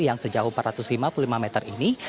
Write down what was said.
yang sejauh empat ratus lima puluh lima meter ini